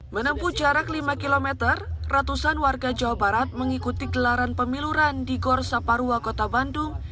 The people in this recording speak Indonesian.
menempuh jarak lima km ratusan warga jawa barat mengikuti gelaran pemiluran di gor saparua kota bandung